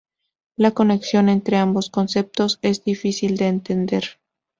La conexión entre ambos conceptos es difícil de entender.